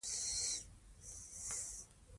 تر څو چې پښتانه وي.